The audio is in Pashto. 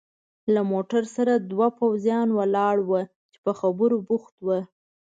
له موټر سره دوه پوځیان ولاړ ول چې په خبرو بوخت ول.